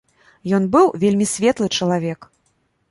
Ён быў вельмі светлы чалавек.